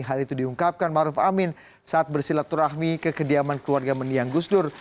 hal itu diungkapkan maruf amin saat bersilaturahmi ke kediaman keluarga mendiang gusdur